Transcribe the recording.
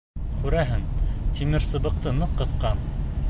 Күрәһең, тимерсыбыҡты ныҡ ҡыҫҡан.